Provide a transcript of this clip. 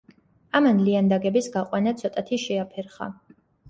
ამან ლიანდაგების გაყვანა ცოტათი შეაფერხა.